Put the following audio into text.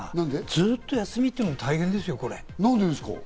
ずっと休みっていうのも大変ですよ。